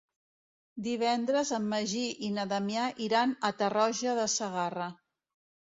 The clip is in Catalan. Divendres en Magí i na Damià iran a Tarroja de Segarra.